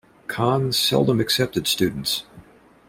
Khan seldom accepted students.